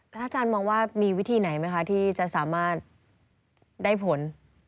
อาจารย์มองว่ามีวิธีไหนไหมคะที่จะสามารถได้ผล